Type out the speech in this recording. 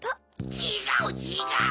ちがうちがう！